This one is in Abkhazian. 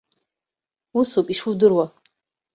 Усоуп ишудыруа.